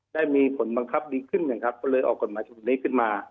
ได้มีผลบังคับดีขึ้นเลยก็เอากฎหมายฉบับนี้ขึ้นมา